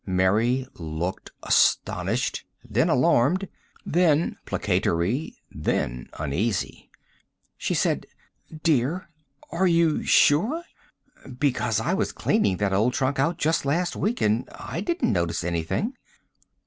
Mary looked astonished, then alarmed, then placatory and uneasy. She said, "Dear, are you sure? Because I was cleaning that old trunk out just last week and I didn't notice anything."